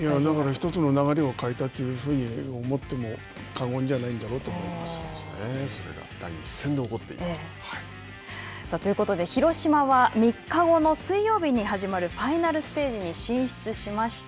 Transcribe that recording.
１つの流れを変えたというふうに思ってもそれが第１戦で起こっていたと。ということで、広島は３日後の水曜日に始まるファイナルステージに進出しました。